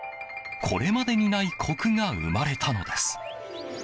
これまでにないコクが生まれたのです。